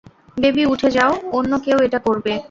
Baby, উঠে যাও, অন্য কেউ এটা করবে!